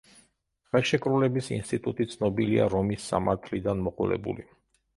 ხელშეკრულების ინსტიტუტი ცნობილია რომის სამართლიდან მოყოლებული.